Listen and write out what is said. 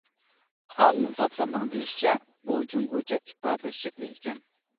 قانۇن زاتلىرىنىڭ دېيىشىچە، بۇ جۇڭگوچە ئىپادىلەش شەكلى ئىكەن.